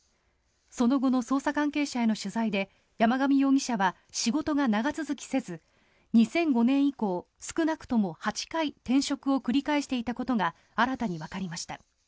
その後の捜査関係者への取材で山上容疑者は仕事が長続きせず２００５年以降少なくとも８回転職を繰り返していたことが新たにわかりました。